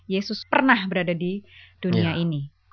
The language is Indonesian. yesus pernah berada di dunia ini